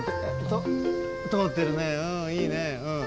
ととおってるねうんいいねうん。